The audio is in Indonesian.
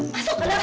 masuk ke dapur